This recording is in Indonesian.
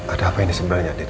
ada apa yang disebelahnya andi